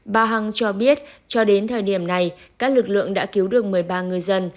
bà hằng cho biết cho đến thời điểm này các lực lượng đã cứu được một mươi ba người dân